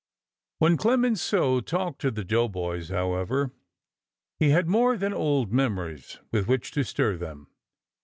When Clemenceau talked to the doughboys, however, he had more than old memories with which to stir them.